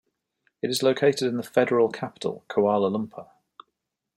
It is located in the Federal capital, Kuala Lumpur.